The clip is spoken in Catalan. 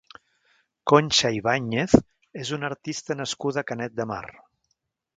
Concha Ibañez és una artista nascuda a Canet de Mar.